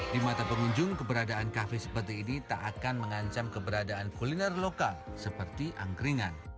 di mata pengunjung keberadaan kafe seperti ini tak akan mengancam keberadaan kuliner lokal seperti angkringan